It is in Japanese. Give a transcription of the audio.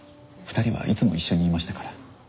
２人はいつも一緒にいましたから。